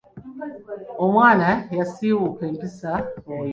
Omwana yasiiwuuka empisa oyo.